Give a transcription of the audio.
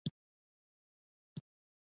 دوی د اقتصادي سرچینو د موندلو په لټه کې دي